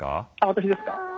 私ですか。